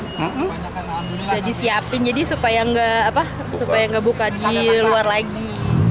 bisa disiapin jadi supaya nggak buka di luar lagi